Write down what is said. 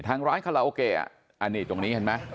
ทางร้านคาราโอเกะอันนี้ตรงนี้เห็นไหม